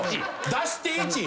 出して１。